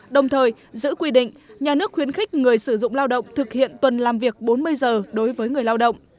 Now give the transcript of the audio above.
đồng thời giữ quy định nhà nước khuyến khích người sử dụng lao động thực hiện tuần làm việc bốn mươi giờ đối với người lao động